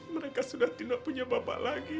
mereka sudah tidak punya bapak lagi